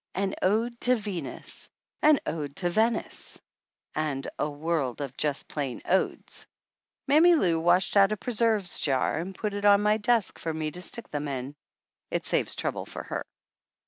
An ode to Venus, an ode to Venice, and a world of just plain odes. Mammy Lou washed out a preserves jar and put it on my desk for me to stick them in. It saves trouble for her.